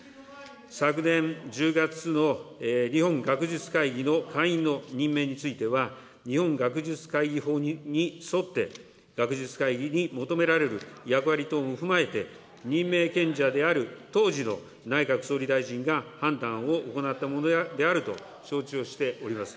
昨年１０月の日本学術会議の会員の任命については、日本学術会議法に沿って、学術会議に求められる役割等も踏まえて、任命権者である当時の内閣総理大臣が判断を行ったものであると承知をしております。